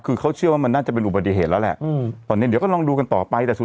คือเขาเชื่อว่ามันน่าจะเป็นอุบัติเหตุแล้วแหละอืมตอนเนี้ยเดี๋ยวก็ลองดูกันต่อไปแต่สุด